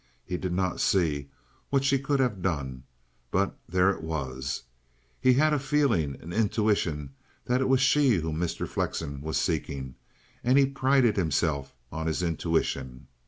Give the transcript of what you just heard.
He did not see what she could have done; but there it was. He had a feeling, an intuition that it was she whom Mr. Flexen was seeking, and he prided himself on his intuition.